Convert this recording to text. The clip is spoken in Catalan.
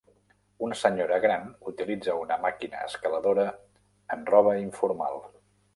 Una senyora gran utilitza una màquina escaladora en roba informal.